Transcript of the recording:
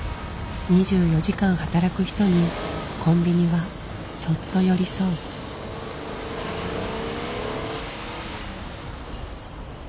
２４時間働く人にコンビニはそっと寄り添う。